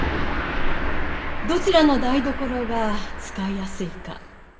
どちらの台所が使いやすいか